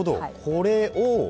これを。